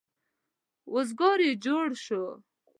روزګار یې جوړ شو.